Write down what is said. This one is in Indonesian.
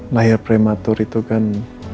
lahir prematur itu kan